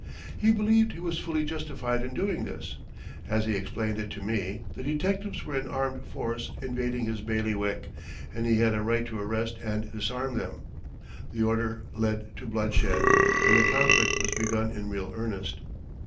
He believed he was fully justified in doing this. As he explained it to me, the detectives were an armed force invading his bailiwick, and he had a right to arrest and disarm them. The order led to bloodshed, and the conflict was begun in real earnest.